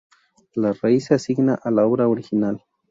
La raíz se asigna a la obra original.